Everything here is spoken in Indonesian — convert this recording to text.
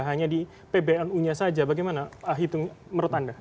hanya di pbnu nya saja bagaimana hitung menurut anda